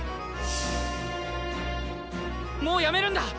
「もうやめるんだ！